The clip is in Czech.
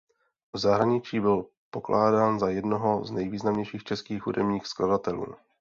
V zahraničí byl pokládán za jednoho z nejvýznamnějších českých hudebních skladatelů.